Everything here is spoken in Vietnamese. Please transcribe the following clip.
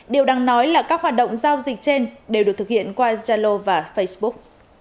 điều đáng nói là các hoạt động giao dịch trên đều được thực hiện qua zalo và facebook